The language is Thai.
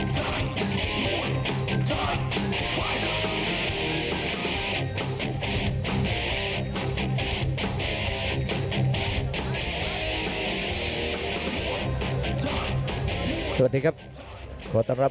เสมอ๓ฟัยและแพ้๒๓ฟัยครับ